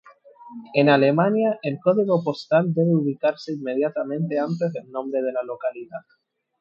En Alemania, el código postal debe ubicarse inmediatamente antes del nombre de la localidad.